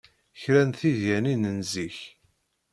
Kra n tedyanin n zik.